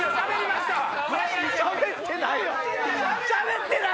しゃべってない！